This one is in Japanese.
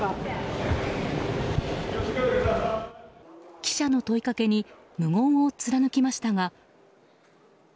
記者の問いかけに無言を貫きましたが。